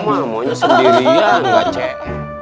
kamu mau sendiri ya enggak ceng